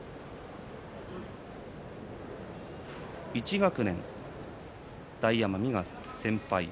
１学年、大奄美が先輩です。